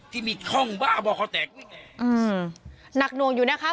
ที่มีคล่องบ้าบอกเขาแตกไว้แหงอืมนักนวงอยู่นะคะ